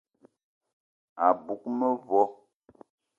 A bug mevo